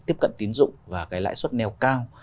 tiếp cận tín dụng và cái lãi suất neo cao